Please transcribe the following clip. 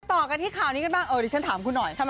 ต่อกันที่ข่าวนี้กันบ้างเออดิฉันถามคุณหน่อย